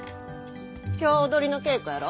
今日踊りの稽古やろ。